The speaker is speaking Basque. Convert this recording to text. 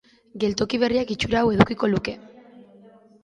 Geltoki berriak itxura hau edukiko luke.